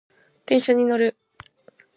電車に乗る